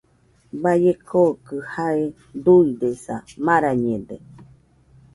Baie kookɨ jae duidesa, marañede